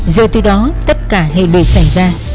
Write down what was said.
rồi từ đó tất cả hệ lực xảy ra